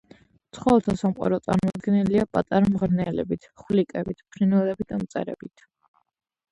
ცხოველთა სამყარო წარმოდგენილია პატარა მღრღნელებით, ხვლიკებით, ფრინველებით და მწერებით.